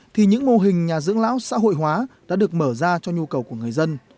thì những mô hình nhà dưỡng lão xã hội hóa đã được mở ra cho nhu cầu của người dân